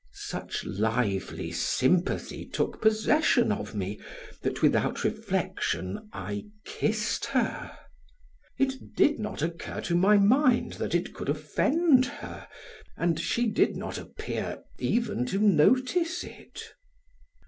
Such lively sympathy took possession of me that without reflection I kissed her; it did not occur to my mind that it could offend her and she did not appear even to notice it.